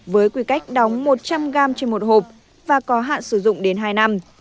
với quy cách đóng một trăm linh gram trên một hộp và có hạn sử dụng đến hai năm